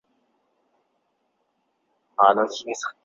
默多克和南方电视有线得到了第九频道。